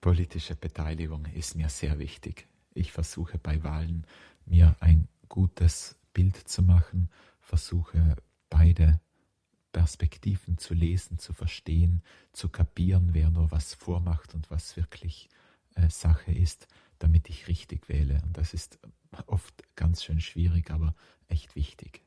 Politische Beteiligung ist mir sehr wichtig. Ich versuche bei Wahlen mir ein gutes Bild zu machen, versuche beide Perspektiven zu lesen, zu verstehen, zu kapieren wer nur was vor macht und was wirklich eh Sache ist, damit ich richtig wähle. Das ist oft ganz schön schwierig aber echt wichtig.